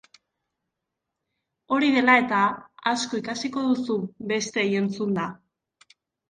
Hori dela eta, asko ikasiko duzu besteei entzunda.